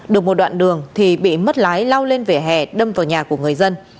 được một đoạn đường thì bị mất lái lao lên vẻ hẻ đâm vào nhà của người dân